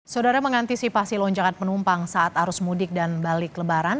saudara mengantisipasi lonjakan penumpang saat arus mudik dan balik lebaran